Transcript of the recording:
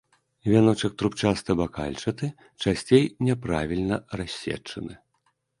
Вяночак трубчаста-бакальчаты, часцей няправільна рассечаны.